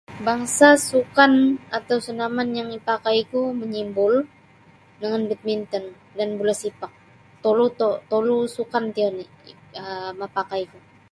Bangsa sukan atau sanaman yang ipakaiku manyimbul dengan badminton dan bola sepak tolu to tolu sukan ti oni' um mapakaiku.